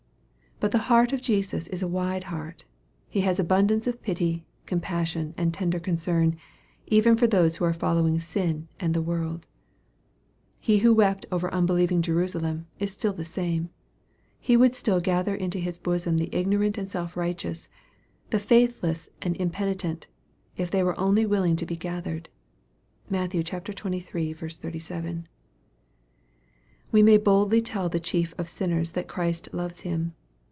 But the heart of Jesus is a wide heart. He has abundance of pity, compassion, and tender concern even for those who are following sin and the world. He who wept over un believing Jerusalem is still the same. He would still gather into his bosom the ignorant and self righteous, the faithless and impenitent, if they were only willing to be gathered. (Matt, xxiii. 37.) We may boldly tell the chief of sinners that Christ loves him.